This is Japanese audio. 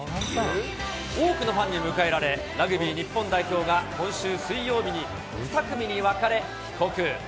多くのファンで迎えられ、ラグビー日本代表が今週水曜日に２組に分かれ帰国。